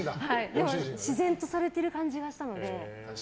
でも自然とされてる感じがしたので。